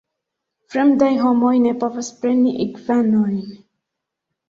Fremdaj homoj ne povas preni igvanojn.